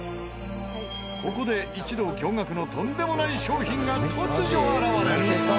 ここで一同驚愕のとんでもない商品が突如現れる！